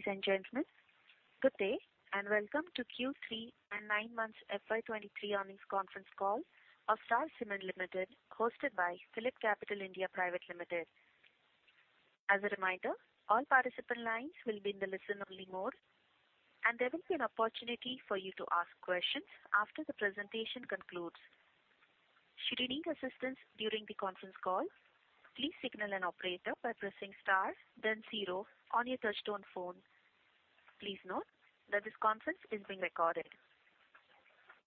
Ladies and gentlemen, good day, and welcome to Q3 and nine months FY 2023 earnings conference call of Star Cement Limited, hosted by PhillipCapital (India) Private Limited. As a reminder, all participant lines will be in the listen-only mode, and there will be an opportunity for you to ask questions after the presentation concludes. Should you need assistance during the conference call, please signal an operator by pressing star, then zero on your touchtone phone. Please note that this conference is being recorded.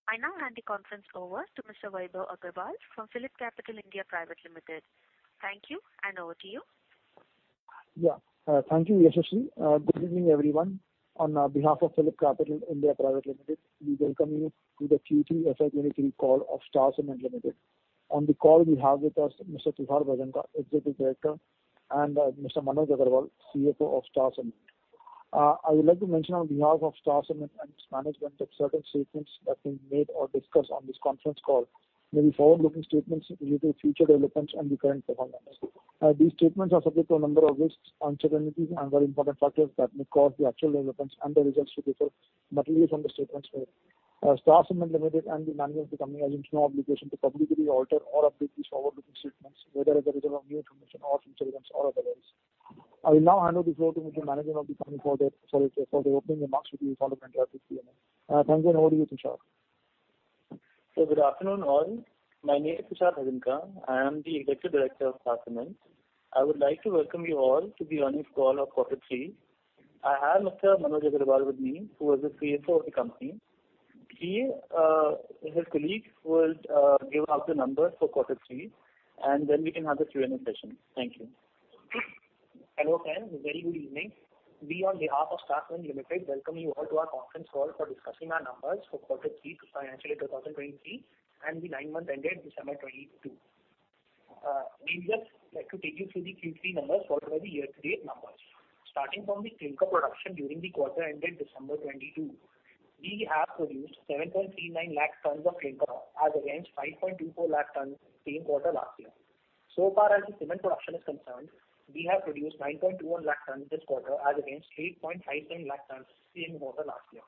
I now hand the conference over to Mr. Vaibhav Agarwal from PhillipCapital (India) Private Limited. Thank you, and over to you. Yeah. Thank you, Yashaswini. Good evening, everyone. On behalf of PhillipCapital (India) Private Limited, we welcome you to the Q3 FY 2023 call of Star Cement Limited. On the call we have with us Mr. Tushar Bhajanka, Executive Director, and Mr. Manoj Agarwal, CFO of Star Cement. I would like to mention on behalf of Star Cement and its management, that certain statements that being made or discussed on this conference call may be forward-looking statements related to future relevance and the current performance. These statements are subject to a number of risks, uncertainties, and very important factors that may cause the actual relevance and the results to differ materially from the statements made. Star Cement Limited and the management of the company assumes no obligation to publicly alter or update these forward-looking statements, whether as a result of new information or developments or otherwise. I will now hand over the floor to the management of the company for the opening remarks, before we follow the interactive Q&A. Thank you, and over to you, Tushar. Good afternoon, all. My name is Tushar Bhajanka. I am the Executive Director of Star Cement. I would like to welcome you all to the earnings call of quarter three. I have Mr. Manoj Agarwal with me, who is the CFO of the company. He and his colleagues will give out the numbers for Quarter Three, and then we can have the Q&A session. Thank you. Hello, friends. A very good evening. We, on behalf of Star Cement Limited, welcome you all to our conference call for discussing our numbers for quarter three, financial year 2023, and the nine months ended December 2022. We would just like to take you through the Q3 numbers, followed by the year-to-date numbers. Starting from the clinker production during the quarter ended December 2022, we have produced 7.39 lakh tons of clinker, as against 5.24 lakh tons, same quarter last year. So far as the cement production is concerned, we have produced 9.21 lakh tons this quarter, as against 8.57 lakh tons, same quarter last year.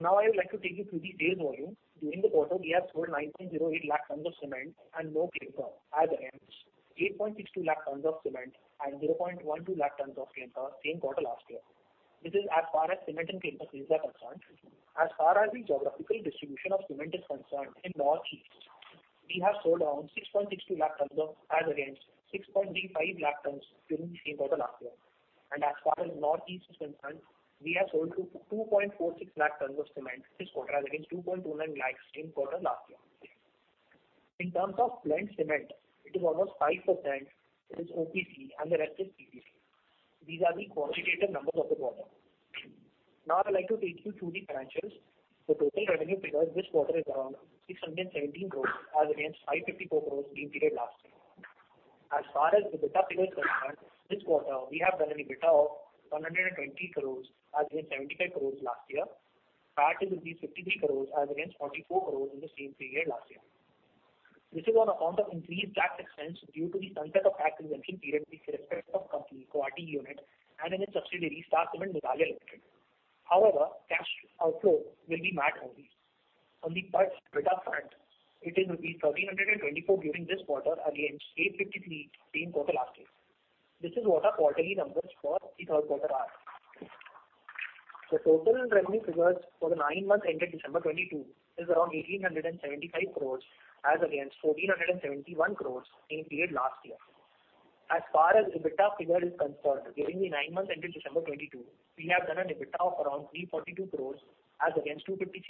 Now, I would like to take you through the sales volume. During the quarter, we have sold 9.08 lakh tons of cement and more clinker, as against 8.62 lakh tons of cement and 0.12 lakh tons of clinker, same quarter last year. This is as far as cement and clinker sales are concerned. As far as the geographical distribution of cement is concerned, in North East, we have sold around 6.62 lakh tons, as against 6.35 lakh tons during the same quarter last year. And as far as North East is concerned, we have sold 2.46 lakh tons of cement this quarter, as against 2.29 lakh, same quarter last year. In terms of blend cement, it is almost 5%, it is OPC and the rest is PPC. These are the quantitative numbers of the quarter. Now, I'd like to take you through the numbers. The total revenue figure this quarter is around 617 crore, as against 554 crore the period last year. As far as the EBITDA figure is concerned, this quarter we have done an EBITDA of 120 crore as against 75 crore last year. PAT is 53 crore as against 44 crore in the same period last year. This is on account of increased tax expense due to the sunset of tax exemption period with respect to the company's Khliehriat unit and in its subsidiary, Star Cement Meghalaya Limited. However, cash outflow will be minimal only. On the per ton EBITDA front, it is rupees 1,324 during this quarter, against 853, same quarter last year. This is what our quarterly numbers for the third quarter are. The total revenue figures for the nine months ended December 2022 is around 1,875 crore, as against 1,471 crore, same period last year. As far as EBITDA figure is concerned, during the nine months ended December 2022, we have done an EBITDA of around 342 crore as against 256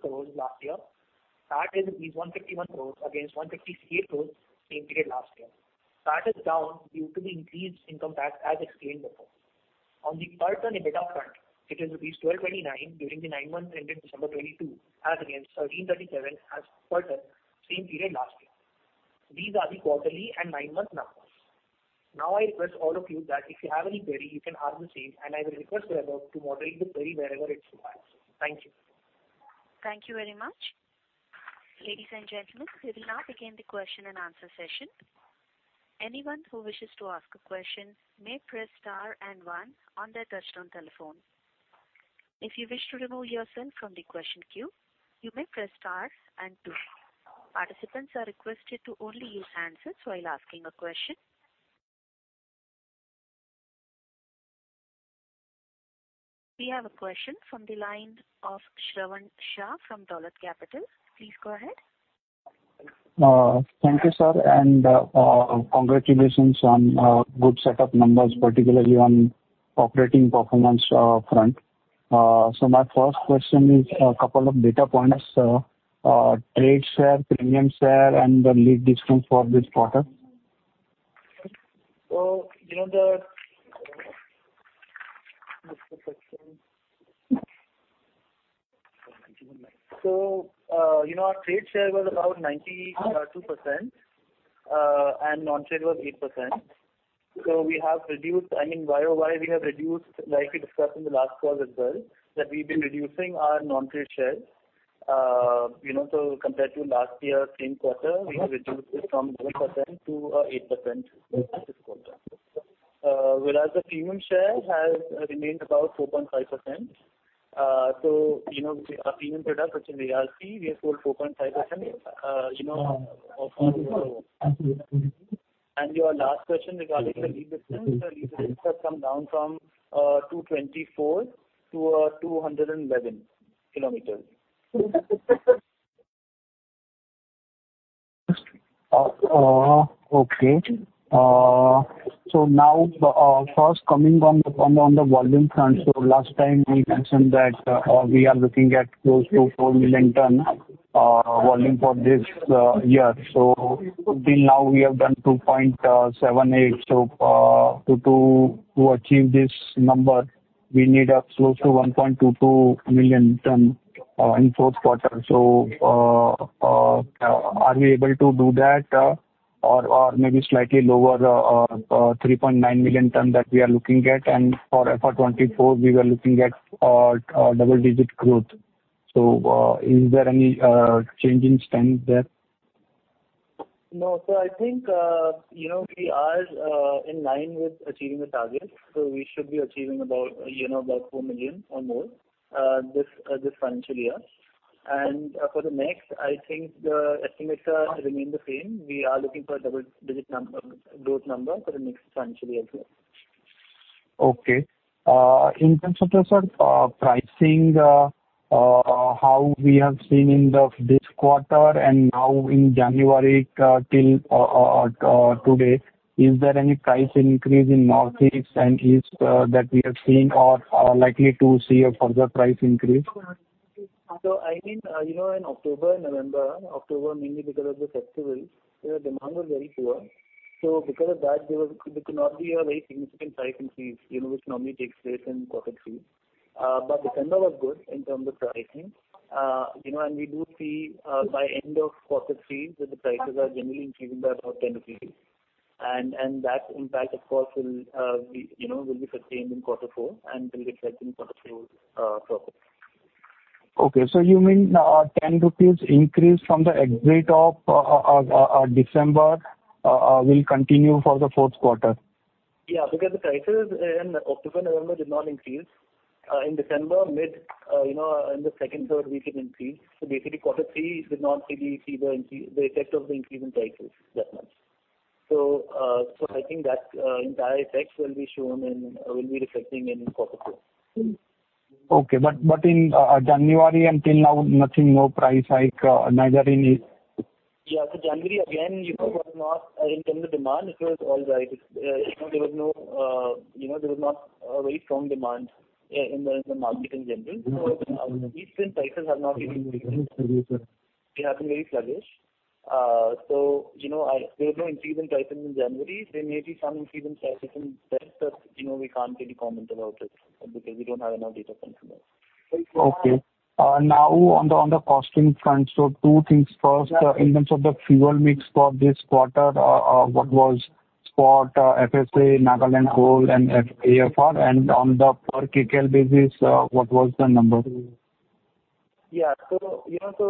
crore last year. PAT is 151 crore against 158 crore, same period last year. PAT is down due to the increased income tax as explained before. On the per ton EBITDA front, it is 1,229 during the nine months ended December 2022, as against 1,337 per ton, same period last year. These are the quarterly and nine-month numbers. Now, I request all of you that if you have any query, you can ask the same, and I will request Vaibhav to moderate the query wherever it's required. Thank you. Thank you very much. Ladies and gentlemen, we will now begin the question and answer session. Anyone who wishes to ask a question may press star and one on their touchtone telephone. If you wish to remove yourself from the question queue, you may press star and two. Participants are requested to only use answers while asking a question. We have a question from the line of Shravan Shah from Dolat Capital. Please go ahead. Thank you, sir, and congratulations on good set of numbers, particularly on operating performance front. So my first question is couple of data points, trade share, premium share, and the lead distance for this quarter. So, you know, our trade share was about 92%, and non-trade was 8%. So we have reduced, I mean, YoY, we have reduced, like we discussed in the last call as well, that we've been reducing our non-trade share. You know, so compared to last year, same quarter, we have reduced it from 10% to 8% this quarter. Whereas the premium share has remained about 4.5%. So, you know, our premium products, such as ARC, we have sold 4.5%, you know, of our total. Your last question regarding the lead distance. The lead distance has come down from 224-211 km. Okay. So now, first coming on the volume front. So last time we mentioned that we are looking at close to 4 million ton volume for this year. So till now, we have done 2.78. So to achieve this number, we need close to 1.22 million ton in fourth quarter. So are we able to do that or maybe slightly lower 3.9 million ton that we are looking at? And for FY 2024, we were looking at double-digit growth. So is there any change in stance there? No. So I think, you know, we are in line with achieving the target, so we should be achieving about, you know, about 4 million or more, this financial year. And for the next, I think the estimates remain the same. We are looking for double-digit number, growth number for the next financial year. Okay. In terms of sort of pricing, how we have seen in this quarter and now in January till today, is there any price increase in North East and East that we have seen or are likely to see a further price increase? So, I think, you know, in October, November, October, mainly because of the festivals, the demand was very poor. So because of that, there could not be a very significant price increase, you know, which normally takes place in quarter three. But December was good in terms of pricing. You know, and we do see, by end of quarter three, that the prices are generally increasing by about 10 rupees. And that impact, of course, will be, you know, will be sustained in quarter four and will reflect in quarter four profit. Okay. So you mean, 10 rupees increase from the exit of December will continue for the fourth quarter? Yeah, because the prices in October, November did not increase. In December, mid, you know, in the second, third week, it increased. So basically, quarter three did not really see the increase, the effect of the increase in prices that much. So, so I think that, entire effect will be shown in, will be reflecting in quarter four. Okay. But, but in January until now, nothing more price hike, neither in East? Yeah. So January, again, you know, was not in terms of demand, it was all right. You know, there was not a very strong demand in the market in general. So recent prices have not been; they have been very sluggish. So, you know, there was no increase in prices in January. There may be some increase in prices in March, but, you know, we can't really comment about it, because we don't have enough data points about it. Okay. Now on the costing front, so two things. First, in terms of the fuel mix for this quarter, what was spot, FSA, Nagaland Coal, and AFR? And on the per kcal basis, what was the number? Yeah. So, you know, so,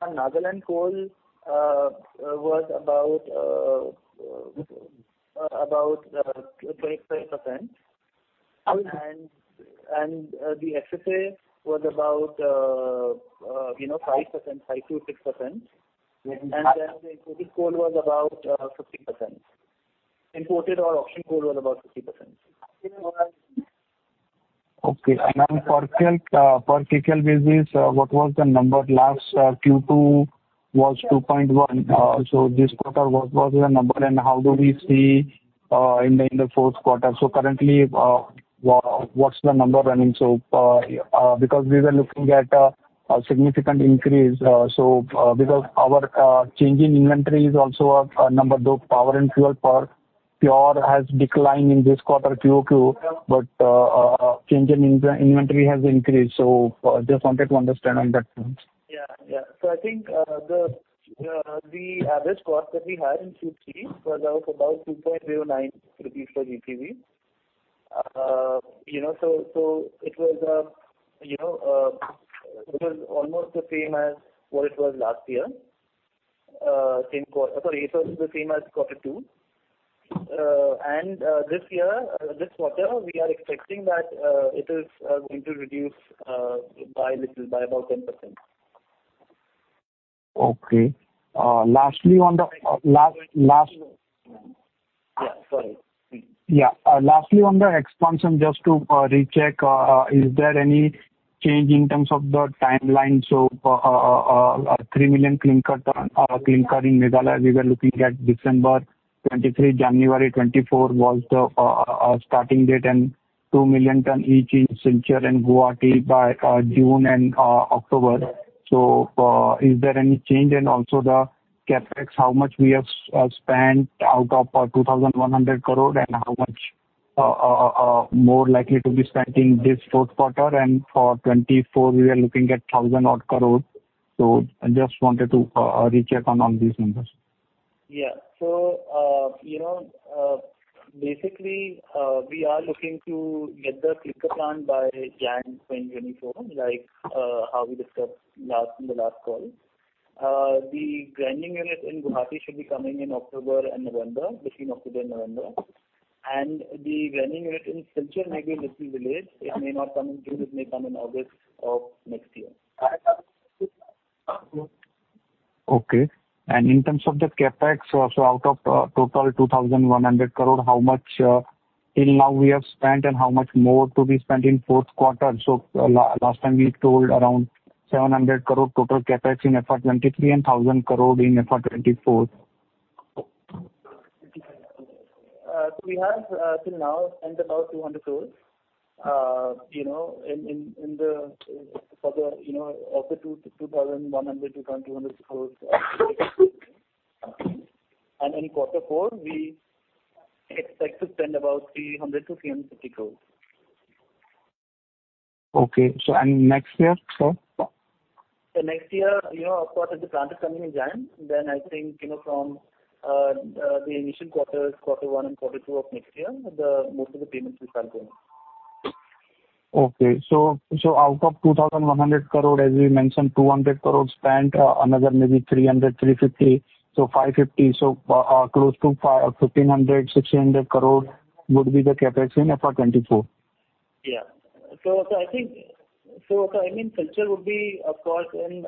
our Nagaland coal was about 25%. And- The FSA was about, you know, 5%, 5%-6%. Yeah. And then the imported coal was about 50%. Imported or auction coal was about 50%. Okay. Then per kcal, per kcal basis, what was the number? Last Q2 was 2.1. So this quarter, what was the number, and how do we see in the fourth quarter? So currently, what's the number running? So, because we were looking at a significant increase, so, because our change in inventory is also a number, though. Power and fuel per pure has declined in this quarter QOQ, but change in inventory has increased. So just wanted to understand on that front. Yeah. Yeah. So I think, the average cost that we had in Q3 was about 2.09 rupees per GCV. You know, so it was almost the same as what it was last year, same quarter... Sorry, it was the same as quarter two. And this year, this quarter, we are expecting that it is going to reduce by little, by about 10%. Okay. Lastly, on the last, last- Yeah, sorry. Yeah. Lastly, on the expansion, just to recheck, is there any change in terms of the timeline? So, 3 million clinker ton clinker in Meghalaya, we were looking at December 2023, January 2024 was the starting date, and 2 million ton each in Silchar and Guwahati by June and October. So, is there any change? And also the CapEx, how much we have spent out of 2,100 crore, and how much more likely to be spending this fourth quarter? And for 2024, we are looking at 1,000 odd crore. So I just wanted to recheck on these numbers. ...Yeah. So, you know, basically, we are looking to get the clinker plant by January 2024, like, how we discussed last, in the last call. The grinding unit in Guwahati should be coming in October and November, between October and November. And the grinding unit in Silchar may be a little delayed. It may not come in, it may come in August of next year. Okay. In terms of the CapEx, so out of total 2,100 crore, how much till now we have spent, and how much more to be spent in fourth quarter? So last time we told around 700 crore total CapEx in FY 2023 and 1,000 crore in FY 2024. We have, till now, spent about 200 crore. You know, in the, for the, you know, of the 2,100 crore-2,200 crore. In quarter four, we expect to spend about 300 crore- 350 crore. Okay. So and next year, so? Next year, you know, of course, if the plant is coming in January, then I think, you know, from the initial quarters, quarter one and quarter two of next year, the most of the payments will start going. Okay. So out of 2,100 crore, as you mentioned, 200 crore spent, another maybe 300-350, so 550. So close to 1,500-1,600 crore would be the CapEx in FY 2024. Yeah. So I think, so I mean, Silchar would be, of course, in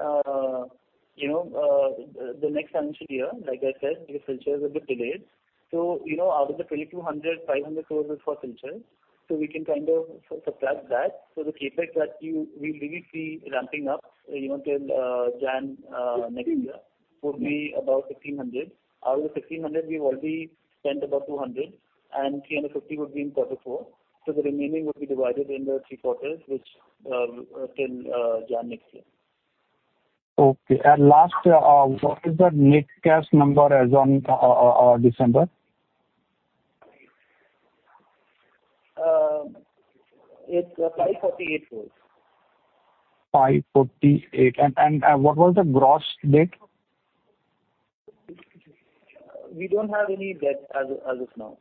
the next financial year, like I said, because Silchar is a bit delayed. So, you know, out of the 2,200 crore, 500 crore is for Silchar, so we can kind of subtract that. So the CapEx that you, we really see ramping up, you know, till January next year, would be about 1,500 crore. Out of the 1,500 crore, we've already spent about 200 crore, and 350 crore would be in quarter four. So the remaining would be divided into three quarters, which till January next year. Okay. And last, what is the net cash number as on December? It's INR 548 crore. 548. And, what was the gross debt? We don't have any debt as of now.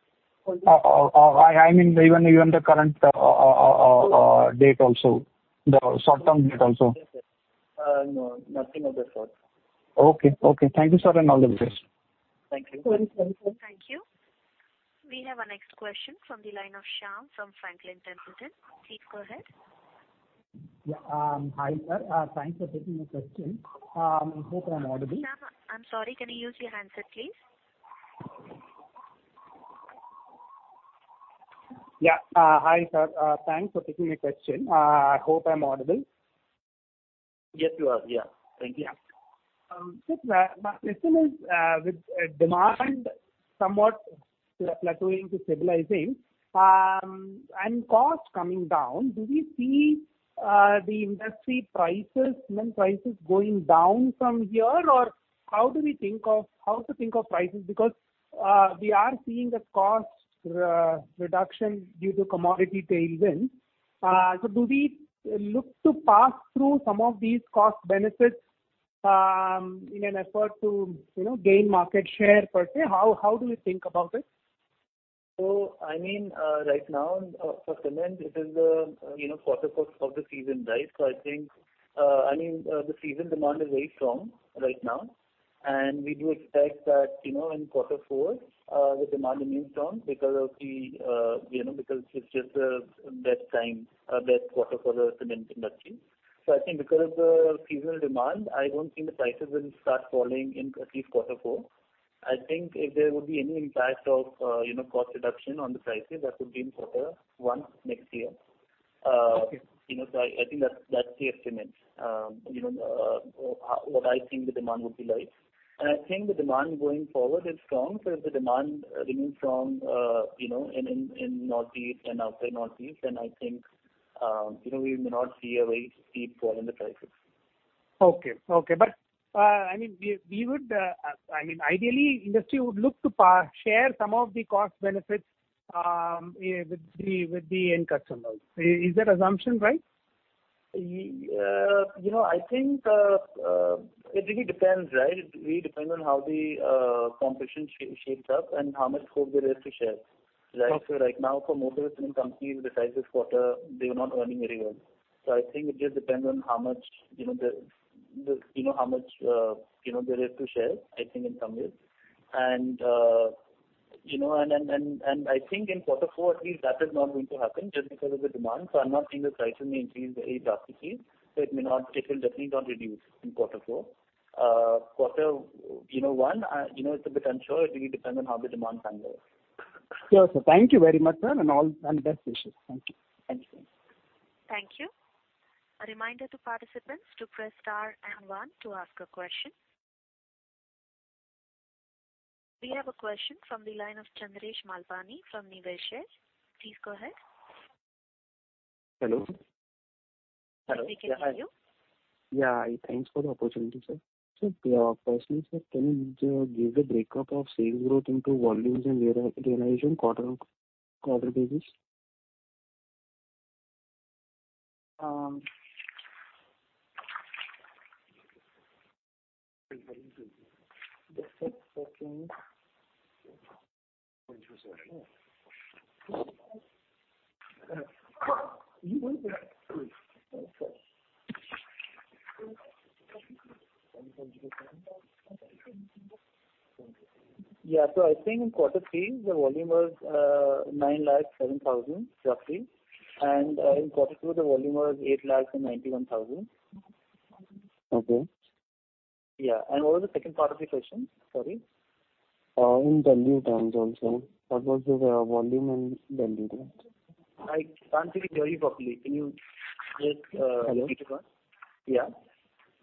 I mean, even the current debt also, the short-term debt also. No, nothing of that sort. Okay, okay. Thank you, sir, and all the best. Thank you very much. Thank you. We have our next question from the line of Shyam from Franklin Templeton. Please go ahead. Yeah. Hi, sir. Thanks for taking my question. I hope I'm audible? Shyam, I'm sorry, can you use your handset, please? Yeah. Hi, sir. Thanks for taking my question. I hope I'm audible. Yes, you are. Yeah. Thank you. Yeah. Sir, my question is, with demand somewhat plateauing to stabilizing, and cost coming down, do we see the industry prices, cement prices going down from here? Or how do we think of how to think of prices? Because, we are seeing the cost reduction due to commodity tailwind. So do we look to pass through some of these cost benefits, in an effort to, you know, gain market share per se? How do you think about it? So, I mean, right now, for cement, it is, you know, quarter four of the season, right? So I think, I mean, the season demand is very strong right now, and we do expect that, you know, in quarter four, the demand remains strong because of the, you know, because it's just, best time, best quarter for the cement industry. So I think because of the seasonal demand, I don't think the prices will start falling in at least quarter four. I think if there would be any impact of, you know, cost reduction on the prices, that would be in quarter one next year. Okay. You know, so I think that's the estimate. You know, what I think the demand would be like. And I think the demand going forward is strong. So if the demand remains strong, you know, in Northeast and outside Northeast, then I think, you know, we may not see a very steep fall in the prices. Okay. Okay. But I mean, we would I mean, ideally, industry would look to share some of the cost benefits with the end customers. Is that assumption right? You know, I think, it really depends, right? It really depends on how the competition shapes up and how much scope there is to share, right? Okay. So right now, for most of the companies, besides this quarter, they are not earning very well. So I think it just depends on how much, you know, there is to share, I think in some ways. And you know, I think in quarter four, at least, that is not going to happen just because of the demand. So I'm not saying the prices may increase very drastically, so it may not, it will definitely not reduce in quarter four. Quarter, you know, one, you know, it's a bit unsure. It really depends on how the demand pans out. Sure, sir. Thank you very much, sir, and all, and best wishes. Thank you. Thank you. Thank you. A reminder to participants to press star and one to ask a question. We have a question from the line of Chandresh Malpani from Niveshaay. Please go ahead. Hello. We can hear you. Yeah. Thanks for the opportunity, sir. So, firstly, sir, can you give the breakup of sales growth into volumes and realization quarter-over-quarter basis? Yeah, so I think in quarter three, the volume was 907,000, roughly, and in quarter two, the volume was 891,000. Okay. Yeah. And what was the second part of the question? Sorry. In Delhi terms also, what was the volume in Delhi terms? I can't hear you very properly. Can you say it, little bit more? Hello. Yeah.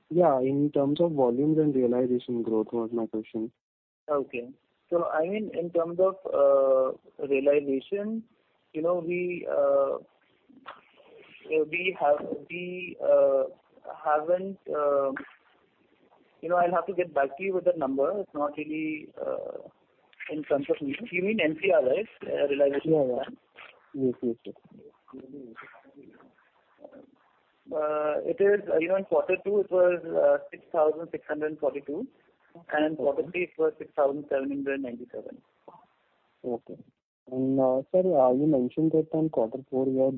Yeah. In terms of volumes and realization growth, was my question. Okay. So I mean, in terms of realization, you know, we haven't... You know, I'll have to get back to you with the number. It's not really in front of me. You mean NCR, right? Realization. NCR. Yes, yes, yes. It is, you know, in quarter two, it was 6,642, and quarter three, it was 6,797. Okay. And, sir, you mentioned that in quarter four, your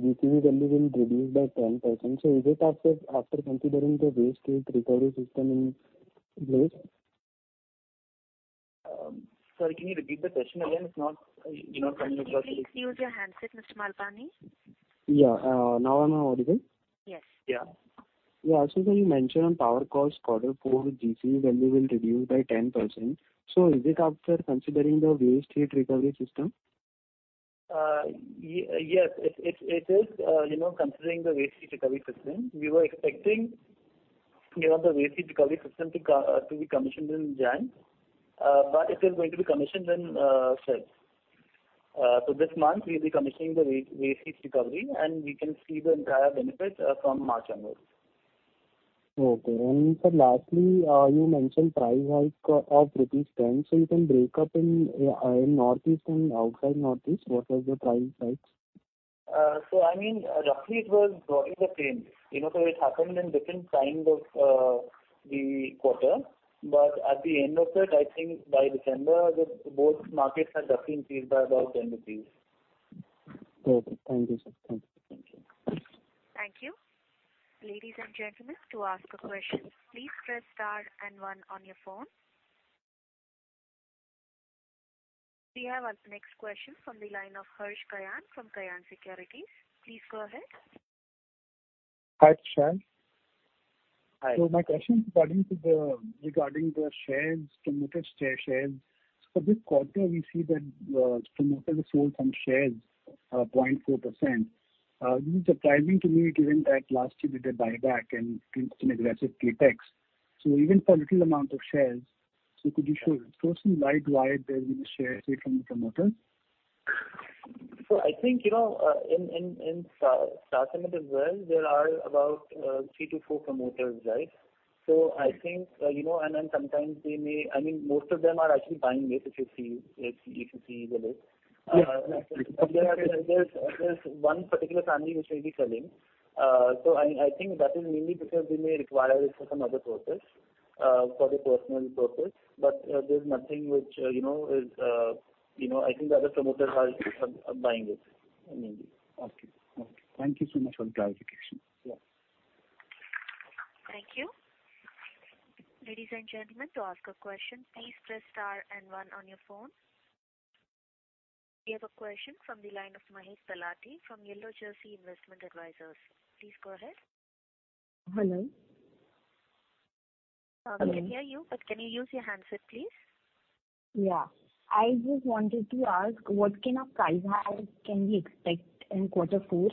GCV value will reduce by 10%. So is it after considering the waste heat recovery system in place? Sir, can you repeat the question again? It's not, I do not understand. Sir, can you please use your handset, Mr. Malpani? Yeah. Now am I audible? Yes. Yeah. Yeah. So sir, you mentioned on power cost, quarter four, GCV value will reduce by 10%. So is it after considering the waste heat recovery system? Yes, it is, you know, considering the waste heat recovery system. We were expecting, you know, the waste heat recovery system to be commissioned in January, but it is going to be commissioned in February. So this month we'll be commissioning the waste heat recovery, and we can see the entire benefits from March onwards. Okay. Sir, lastly, you mentioned price hike of rupees 10. You can break up in North East and outside North East, what was the price hikes? So I mean, roughly it was roughly the same. You know, so it happened in different time of the quarter, but at the end of it, I think by December, the both markets had roughly increased by about 10 rupees. Okay, thank you, sir. Thank you. Thank you. Ladies and gentlemen, to ask a question, please press star and one on your phone. We have our next question from the line of Harsh Kayan from Kayan Securities. Please go ahead. Hi, Tushar. Hi. My question is regarding the shares, promoter share, shares. This quarter we see that promoter has sold some shares, 0.4%. This is surprising to me, given that last year they did buyback and in aggressive CapEx. Even for little amount of shares, could you shed some light why there is a share sale from the promoter? So I think, you know, in Star Cement as well, there are about 3-4 promoters, right? So I think, you know, and then sometimes they may... I mean, most of them are actually buying it, if you see, if you see the list. Yeah. There's one particular family which will be selling. So I think that is mainly because they may require it for some other purpose, for the personal purpose. But there's nothing which, you know, is, you know, I think the other promoters are buying it, I mean. Okay. Okay. Thank you so much for the clarification. Yeah. Thank you. Ladies and gentlemen, to ask a question, please press star and one on your phone. We have a question from the line of Mahek Talati from Yellow Jersey Investment Advisors. Please go ahead. Hello? We can hear you, but can you use your handset, please? Yeah. I just wanted to ask, what kind of price hike can we expect in quarter four?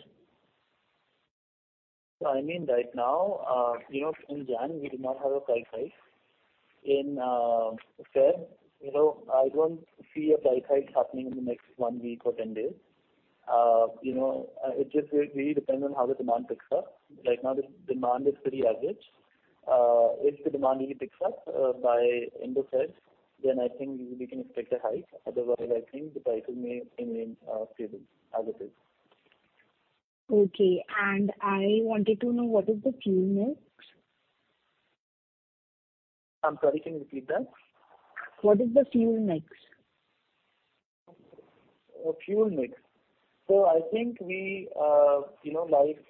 So, I mean, right now, you know, in January, we do not have a price hike. In February, you know, I don't see a price hike happening in the next one week or 10 days. You know, it just really depends on how the demand picks up. Right now, the demand is pretty average. If the demand really picks up, by end of February, then I think we can expect a hike. Otherwise, I think the prices may remain stable as it is. Okay. And I wanted to know, what is the fuel mix? I'm sorry, can you repeat that? What is the fuel mix? Fuel mix. So I think we, you know, like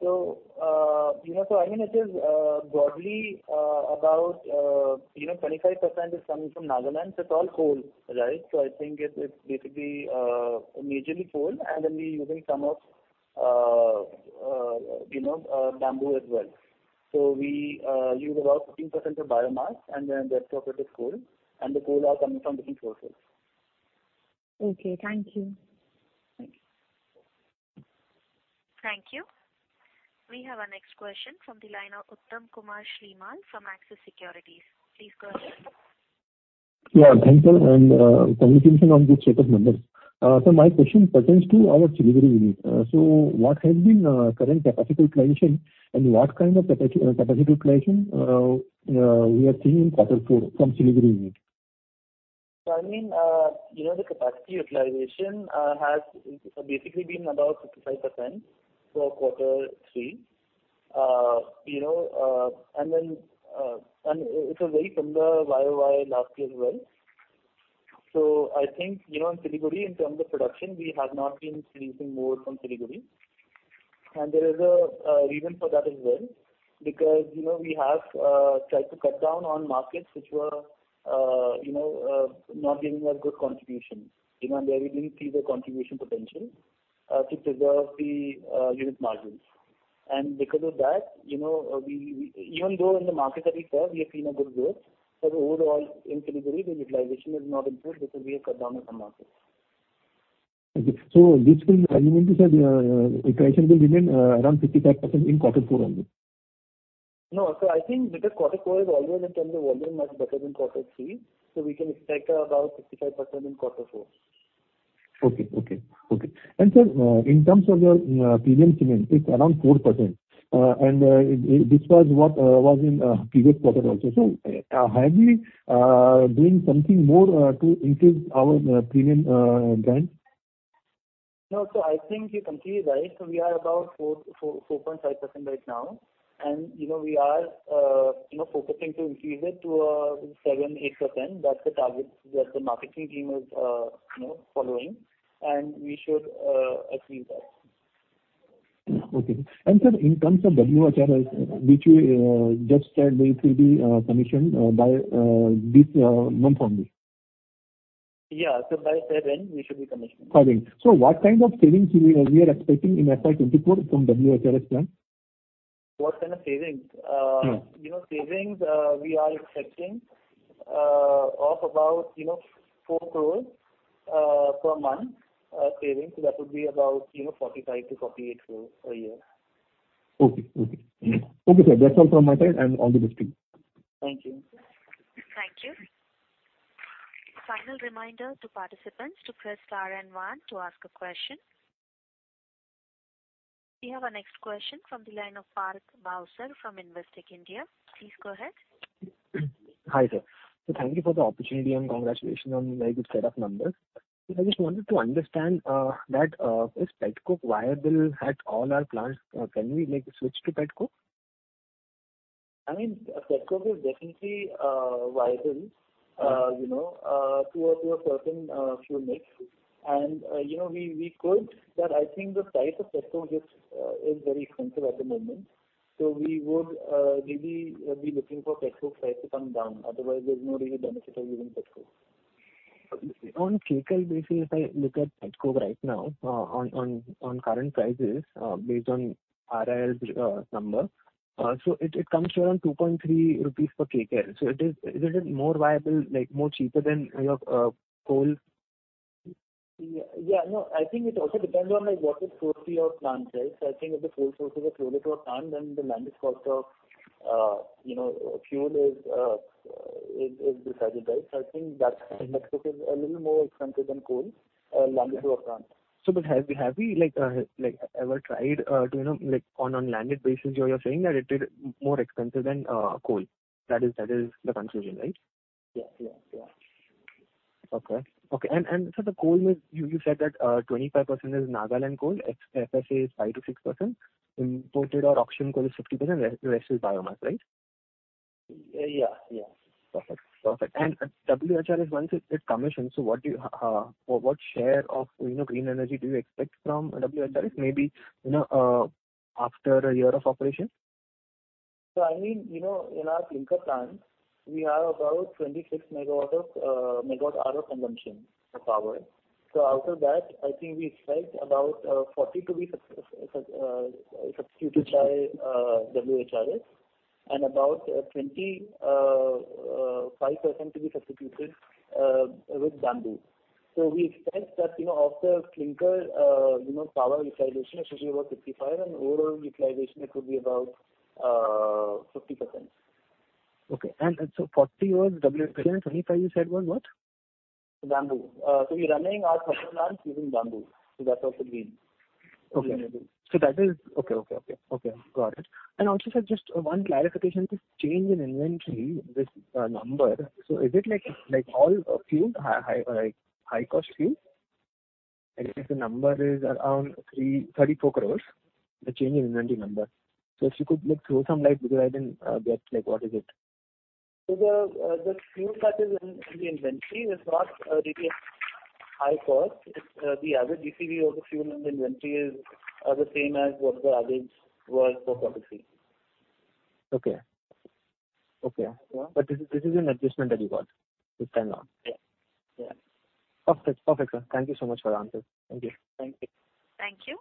so, you know, so I mean, it is broadly, about, you know, 25% is coming from Nagaland. It's all coal, right? So I think it's, it's basically, majorly coal, and then we're using some of, you know, bamboo as well. So we use about 15% of biomass, and then the rest of it is coal, and the coal are coming from different sources. Okay. Thank you. Thanks. Thank you. We have our next question from the line of Uttam Kumar Srimal from Axis Securities. Please go ahead. Yeah, thank you, and, congratulations on the set of numbers. So my question pertains to our Siliguri unit. So what has been current capacity utilization, and what kind of capacity utilization we are seeing in quarter four from Siliguri unit? So I mean, you know, the capacity utilization has basically been about 55% for quarter three. You know, and then, and it's a very similar YoY last year as well. So I think, you know, in Siliguri, in terms of production, we have not been increasing more from Siliguri, and there is a reason for that as well. Because, you know, we have tried to cut down on markets which were, you know, not giving us good contribution. You know, and there we didn't see the contribution potential to preserve the unit margins. And because of that, you know, even though in the markets that we serve, we have seen a good growth, but overall in Siliguri, the utilization has not improved because we have cut down on the market. Okay. So this will, I mean to say, utilization will remain around 55% in quarter four only? No. So I think because quarter four is always in terms of volume, much better than quarter three, so we can expect about 55% in quarter four. Okay, okay, okay. And sir, in terms of your premium cement, it's around 4%. And this was what was in previous quarter also. So, have we doing something more to increase our premium brand? No. So I think you're completely right. So we are about 4.45% right now. And, you know, we are, you know, focusing to increase it to 7%-8%. That's the target that the marketing team is, you know, following, and we should achieve that. Okay. And sir, in terms of WHRS, which you just said it will be commissioned by this month only. Yeah. So by February, we should be commissioned. February. So what kind of savings we are expecting in FY 2024 from WHRS plant? What kind of savings? Mm. You know, savings, we are expecting of about, you know, 4 crore per month, savings. So that would be about, you know, 45 crore-48 crore a year. Okay. Okay. Okay, sir. That's all from my side. I'm on the listening. Thank you. Thank you. Final reminder to participants to press star and one to ask a question. We have our next question from the line of Parth Bhavsar from Investec India. Please go ahead. Hi, there. So thank you for the opportunity, and congratulations on very good set of numbers. I just wanted to understand that is Petcoke viable at all our plants, or can we make the switch to Petcoke? I mean, Petcoke is definitely viable, you know, to a certain fuel mix. And, you know, we could, but I think the price of Petcoke is very expensive at the moment. So we would maybe be looking for Petcoke price to come down. Otherwise, there's no real benefit of using Petcoke. On Kcal basis, if I look at petcoke right now, on current prices, based on RIL's number, so it comes around 2.3 rupees per Kcal. So it is, isn't it more viable, like, more cheaper than your coal? Yeah, no, I think it also depends on, like, what is close to your plant, right? So I think if the coal sources are closer to a plant, then the landed cost of, you know, fuel is, is decided, right? So I think that's, petcoke is a little more expensive than coal, landed to a plant. So, but have we, have we, like, ever tried to, you know, like, on, on landed basis, you're saying that it is more expensive than coal. That is, that is the conclusion, right? Yeah. Yeah. Yeah. Okay. Okay, and so the coal mix, you said that, 25% is Nagaland coal, FSA is 5%-6%, imported or auction coal is 50%, rest is biomass, right? Yeah. Yeah. Perfect. Perfect. And WHRS, once it commissions, so what share of, you know, green energy do you expect from WHRS, maybe, you know, after a year of operation? I mean, you know, in our clinker plant, we have about 26 MW of MWh consumption of power. So out of that, I think we expect about 40 to be successfully substituted by WHRS, and about 25% to be substituted with bamboo. So we expect that, you know, of the clinker, you know, power utilization is usually about 55, and overall utilization, it could be about 50%. Okay. And so 40 was WHRS, 25 you said was what? Bamboo. So we're running our plants using bamboo. So that's also green. Okay. Bamboo. So that is... Okay, okay, okay. Okay, got it. And also, sir, just one clarification, this change in inventory, this number, so is it like, like, all fuel, high, high, like, high-cost fuel? And if the number is around 334 crore, the change in inventory number. So if you could, like, throw some light, because I didn't get, like, what is it? So the fuel that is in the inventory is not really a high cost. It's the average GCV of the fuel in the inventory is, are the same as what the average was for quarter three. Okay. Okay. Yeah. But this is, this is an adjustment that you got this time around? Yeah. Yeah. Perfect. Perfect, sir. Thank you so much for the answers. Thank you. Thank you. Thank you.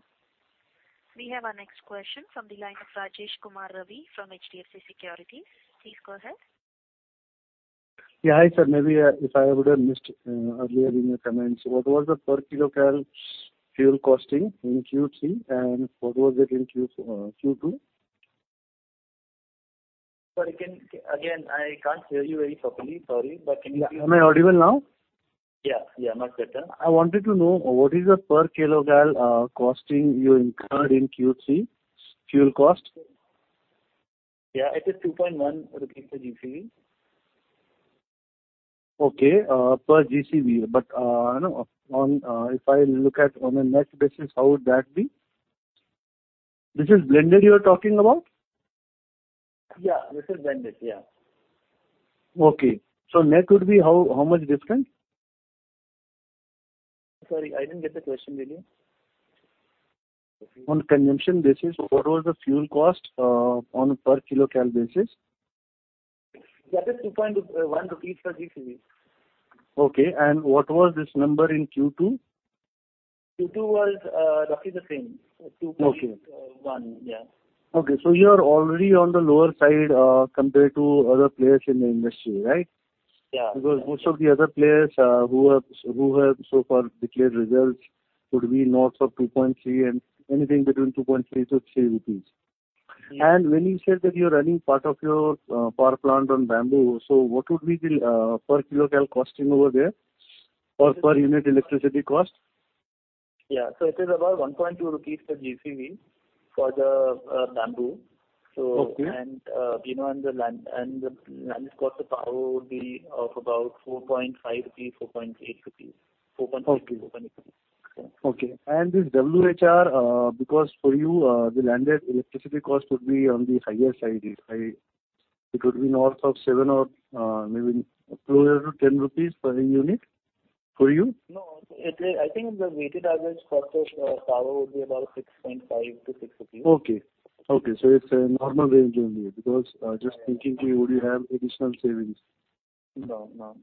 We have our next question from the line of Rajesh Kumar Ravi from HDFC Securities. Please go ahead. Yeah. Hi, sir. Maybe, if I would have missed earlier in your comments, what was the per kcal fuel costing in Q3, and what was it in Q2? Sorry, again, I can't hear you very properly. Sorry, but can you please- Am I audible now? Yeah, yeah, much better. I wanted to know, what is the per kcal costing you incurred in Q3, fuel cost?... Yeah, it is 2.1 rupees per GCV. Okay, per GCV. But, no, on, if I look at on a net basis, how would that be? This is blended you are talking about? Yeah, this is blended. Yeah. Okay. So net would be how, how much different? Sorry, I didn't get the question, really. On consumption basis, what was the fuel cost, on a per kcal basis? That is 2.1 rupees per GCV. Okay. What was this number in Q2? Q2 was roughly the same, 2 point- Okay. One. Yeah. Okay. So you are already on the lower side, compared to other players in the industry, right? Yeah. Because most of the other players who have so far declared results could be north of 2.3 and anything between 2.3-3 rupees. Yeah. When you said that you're running part of your power plant on bamboo, so what would be the per kilo cal costing over there or per unit electricity cost? Yeah. So it is about 1.2 rupees per GCV for the bamboo. Okay. you know, the landed cost of power would be of about 4.5-4.8 rupees. 4.8- Okay. 4.8. Okay. And this WHRS, because for you, the landed electricity cost would be on the higher side, it's high. It would be north of 7 or maybe closer to 10 rupees per unit for you? No, it is... I think the weighted average cost of power would be about INR 6.5-INR 6. Okay. Okay, so it's a normal range only because, just thinking you would have additional savings. No, no.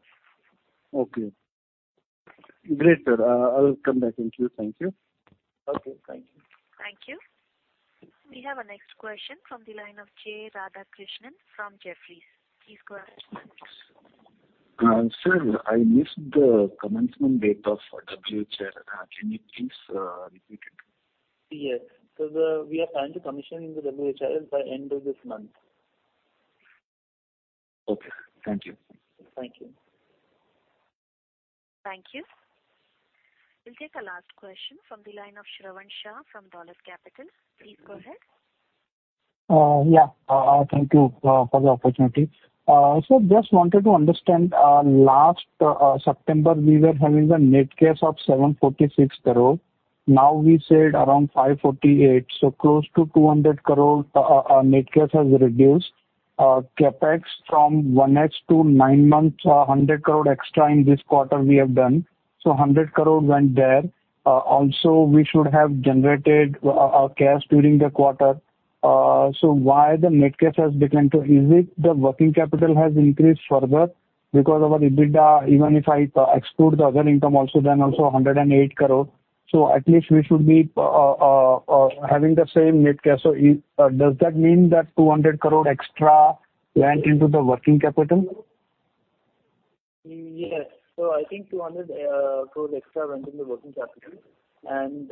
Okay. Great, sir. I'll come back to you. Thank you. Okay, thank you. Thank you. We have our next question from the line of J. Radhakrishnan from Jefferies. Please go ahead. Sir, I missed the commencement date of WHRS. Can you please repeat it? Yes. So, we are planning to commission the WHRS by the end of this month. Okay. Thank you. Thank you. Thank you. We'll take a last question from the line of Shravan Shah from Dolat Capital. Please go ahead. Yeah. Thank you for the opportunity. So just wanted to understand, last September, we were having a net cash of 746 crore. Now, we said around 548 crore, so close to 200 crore, net cash has reduced. CapEx from Q1 to 9 months, 100 crore extra in this quarter we have done. So 100 crore went there. Also, we should have generated cash during the quarter. So why the net cash has declined to - is it the working capital has increased further? Because of our EBITDA, even if I exclude the other income also, then also 108 crore. So at least we should be having the same net cash. So does that mean that 200 crore extra went into the working capital? Yes. So I think 200 crore extra went in the working capital. And,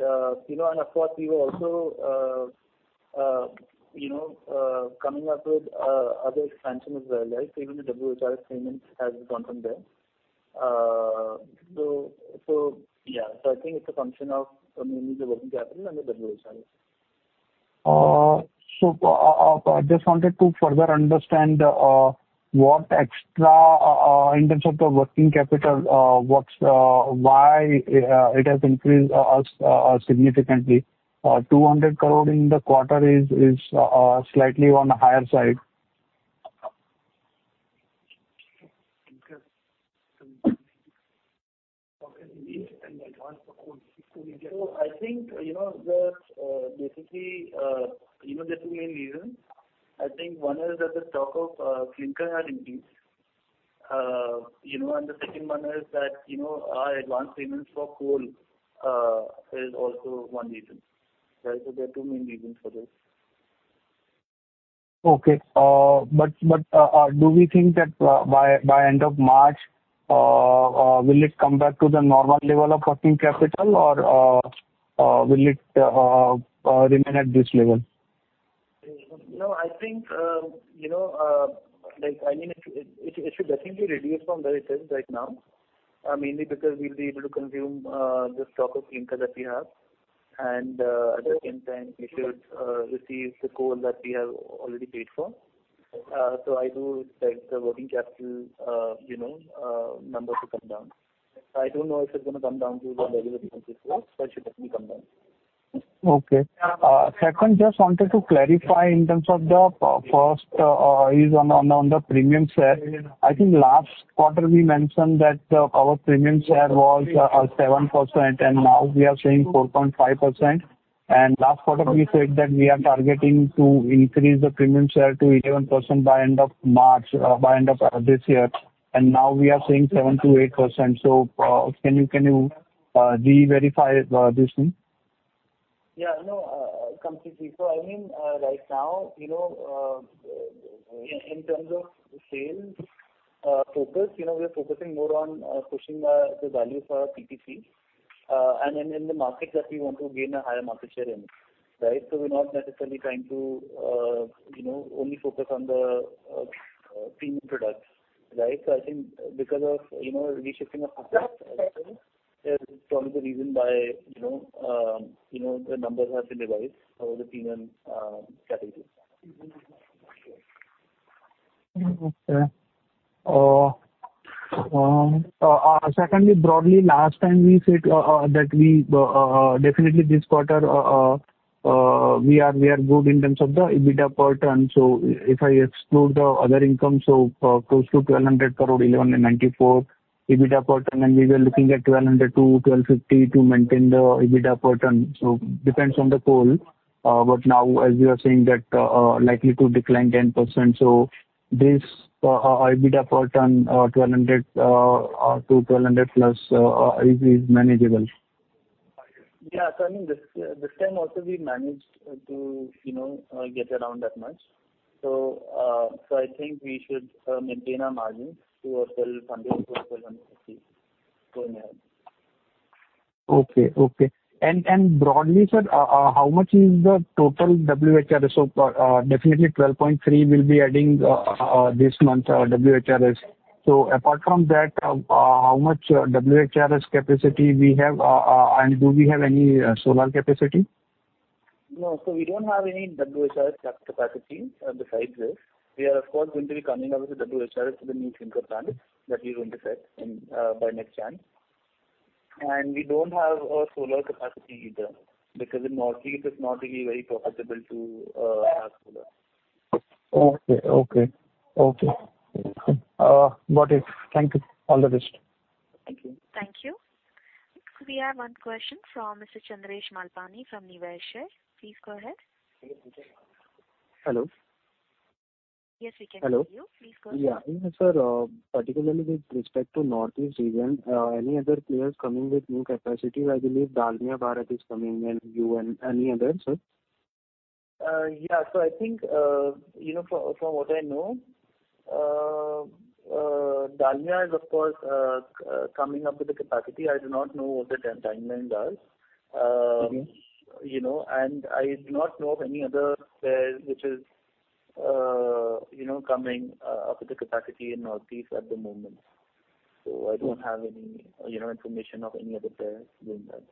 you know, and of course, we were also coming up with other expansion as well, right? So even the WHR payments has gone from there. So, so yeah. So I think it's a function of mainly the working capital and the WHR. So, I just wanted to further understand what extra in terms of the working capital, what's why it has increased significantly? 200 crore in the quarter is slightly on the higher side. So I think, you know, that basically, you know, there are two main reasons. I think one is that the stock of Clinker has increased. You know, and the second one is that, you know, our advance payments for coal is also one reason. Right? So there are two main reasons for this. Okay. But do we think that by end of March will it come back to the normal level of working capital or will it remain at this level? No, I think, you know, like, I mean, it should definitely reduce from where it is right now, mainly because we'll be able to consume the stock of clinker that we have. And, at the same time, we should receive the coal that we have already paid for. So I do expect the working capital, you know, number to come down. I don't know if it's going to come down to the level it was before, but it should definitely come down. Okay. Yeah. Second, just wanted to clarify in terms of the first is on the premium share. I think last quarter we mentioned that our premium share was 7%, and now we are saying 4.5%. Last quarter, we said that we are targeting to increase the premium share to 11% by end of March, by end of this year, and now we are saying 7%-8%. So, can you reverify this thing? Yeah, you know, completely. So I mean, right now, you know, in terms of sales focus, you know, we're focusing more on pushing the value for PPC, and in the markets that we want to gain a higher market share in, right? So we're not necessarily trying to, you know, only focus on the premium products, right? So I think because of reshaping of products, that's probably the reason why, you know, the numbers have been revised over the premium category. Okay. Secondly, broadly, last time we said that we definitely this quarter we are good in terms of the EBITDA per ton. So if I exclude the other income, so close to 1200 crore, 1194 EBITDA per ton, and we were looking at 1200-1250 to maintain the EBITDA per ton. So depends on the coal. But now as you are saying that likely to decline 10%, so this EBITDA per ton 1200 to 1200+ is manageable? Yeah. So I mean, this time also we managed to, you know, get around that much. So, I think we should maintain our margins at 1,100-1,250 going ahead. Okay. Okay. And broadly, sir, how much is the total WHRS? So, definitely 12.3 will be adding this month's WHRS. So apart from that, how much WHRS capacity we have, and do we have any solar capacity? No. So we don't have any WHRS capacity, besides this. We are of course, going to be coming up with the WHRS for the new Clinker plant that we're going to set in, by next year. And we don't have a solar capacity either, because in Northeast, it's not really very profitable to, have solar. Okay. Okay. Okay. Got it. Thank you. All the best. Thank you. Thank you. We have one question from Mr. Chandresh Malpani from Niveshaay. Please go ahead. Hello? Yes, we can hear you. Hello. Please go ahead. Yeah. Sir, particularly with respect to Northeast region, any other players coming with new capacity? I believe Dalmia Bharat is coming, and you, and any others, sir? Yeah. So I think, you know, from what I know, Dalmia is of course coming up with a capacity. I do not know what their timeline is. Mm-hmm. -you know, and I do not know of any other players which is, you know, coming up with the capacity in Northeast at the moment. So I don't have any, you know, information of any other players doing that.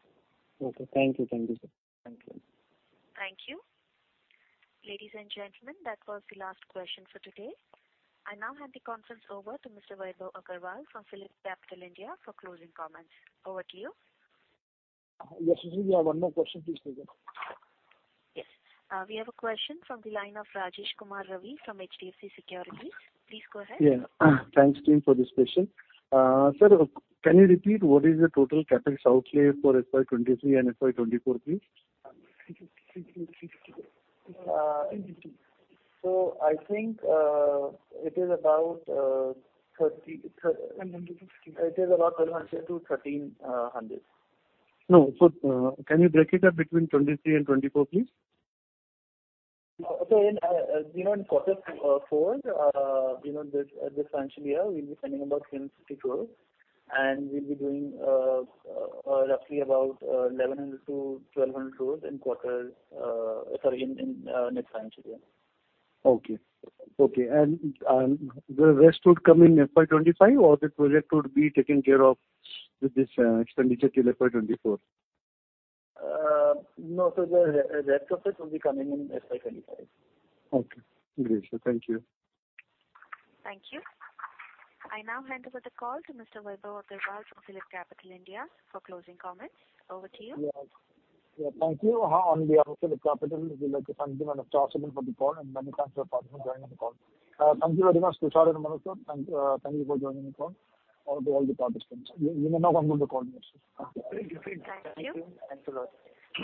Okay. Thank you. Thank you, sir. Thank you. Thank you. Ladies and gentlemen, that was the last question for today. I now hand the conference over to Mr. Vaibhav Agarwal from PhillipCapital India for closing comments. Over to you. Yes, we have one more question, please. Yes. We have a question from the line of Rajesh Kumar Ravi from HDFC Securities. Please go ahead. Yeah. Thanks, team, for this session. Sir, can you repeat what is the total capital outlay for FY 2023 and FY 2024, please? So I think it is about 1200-1300. No. So, can you break it up between 2023 and 2024, please? So, in—you know—in quarter four, you know, this—this financial year, we'll be spending about 1,060 crore, and we'll be doing, roughly about, 1,100 crore-1,200 crore in quarter... Sorry, in next financial year. Okay. Okay. And, the rest would come in FY 2025, or the project would be taken care of with this, expenditure till FY 2024? No, so the rest of it will be coming in FY 2025. Okay. Great, sir. Thank you. Thank you. I now hand over the call to Mr. Vaibhav Agarwal from PhillipCapital India for closing comments. Over to you. Yeah. Thank you. On behalf of PhillipCapital, we like to thank you and appreciate you for the call, and many thanks for participating, joining the call. Thank you very much, Tushar and Manoj, sir. Thank you for joining the call, all the participants. You may now end the call. Thank you. Thank you. Thanks a lot.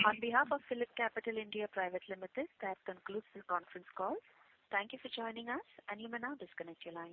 On behalf of PhillipCapital (India) Private Limited, that concludes the conference call. Thank you for joining us, and you may now disconnect your lines.